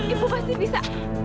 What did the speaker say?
ibu pasti bisa